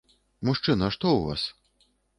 Мужчына, што ў вас?